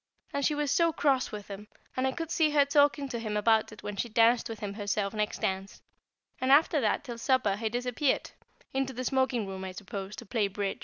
And she was so cross with him, and I could see her talking to him about it when she danced with him herself next dance; and after that till supper he disappeared into the smoking room, I suppose, to play "Bridge."